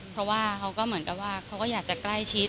เพราะว่าเขาก็เหมือนกับว่าเขาก็อยากจะใกล้ชิด